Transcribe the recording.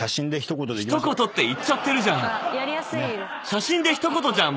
写真で一言じゃん